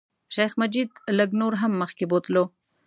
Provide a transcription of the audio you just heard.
شیخ مجید لږ نور هم مخکې بوتلو.